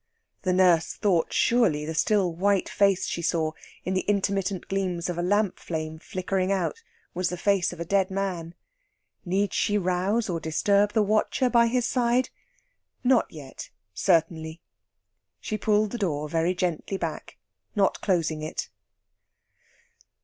The nurse thought surely the still white face she saw in the intermittent gleams of a lamp flame flickering out was the face of a dead man. Need she rouse or disturb the watcher by his side? Not yet, certainly. She pulled the door very gently back, not closing it.